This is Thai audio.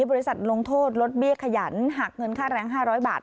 ลงโทษลดเบี้ยขยันหักเงินค่าแรง๕๐๐บาท